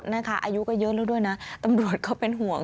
อายุก็เยอะแล้วด้วยนะตำรวจเขาเป็นห่วง